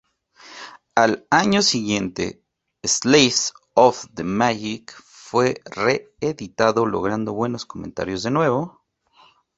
Al año siguiente "Slaves Of The Magic" fue re-editado logrando buenos comentarios de nuevo.